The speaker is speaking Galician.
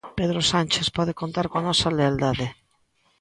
Pedro Sánchez pode contar coa nosa lealdade.